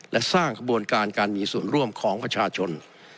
และสร้างกระบวนการการมีส่วนร่วมของประชาชน